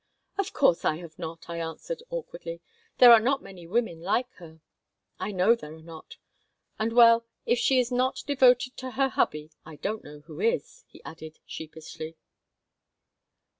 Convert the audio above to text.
"Of course I have not," I answered, awkwardly. "There are not many women like her." "I know there are not. And, well, if she is not devoted to her hubby, I don't know who is," he added, sheepishly.